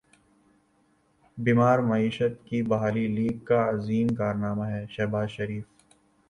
بیمار معیشت کی بحالی لیگ کا عظیم کارنامہ ہے شہباز شریف